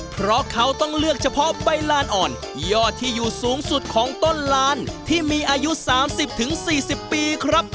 เพราะเขาต้องเลือกเฉพาะใบลานอ่อนที่ยอดที่อยู่สูงสุดของต้นลานที่มีอายุ๓๐๔๐ปีครับ